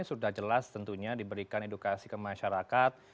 sudah jelas tentunya diberikan edukasi ke masyarakat